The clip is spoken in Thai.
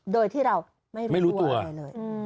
โดยที่เราไม่รู้ตัวอะไรเลย